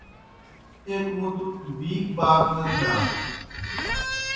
ایْک مُتوْ بِیک باک نہ تِھیا۔